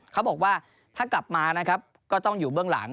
เขาบอกว่าถ้ากลับมานะครับก็ต้องอยู่เบื้องหลัง